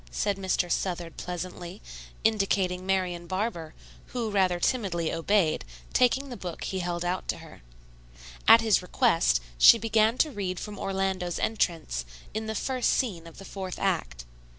said Mr. Southard pleasantly, indicating Marian Barber, who rather timidly obeyed, taking the book he held out to her. At his request, she began to read from Orlando's entrance, in the first scene of the fourth act.